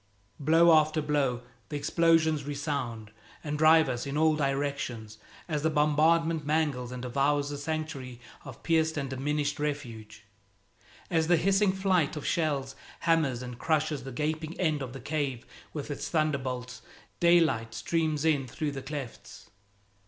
Blow after blow, the explosions resound and drive us in all directions as the bombardment mangles and devours the sanctuary of pierced and diminished refuge. As the hissing flight of shells hammers and crushes the gaping end of the cave with its thunderbolts, daylight streams in through the clefts.